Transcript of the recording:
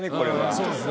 そうですね。